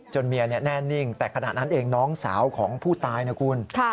เมียแน่นิ่งแต่ขณะนั้นเองน้องสาวของผู้ตายนะคุณ